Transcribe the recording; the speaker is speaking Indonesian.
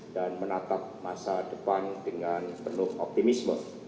dan menatap masa depan dengan penuh optimisme